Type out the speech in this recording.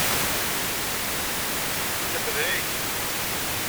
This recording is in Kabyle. Ixdeε-ik.